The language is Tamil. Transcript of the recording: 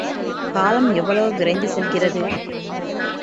காலம் எவ்வளவு விரைந்து செல்கிறது!